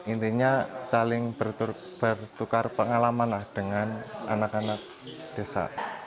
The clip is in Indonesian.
intinya saling bertukar pengalaman dengan anak anak desa